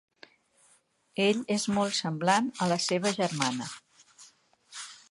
Ell és molt semblant a la seva germana.